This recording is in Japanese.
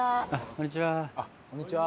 こんにちは！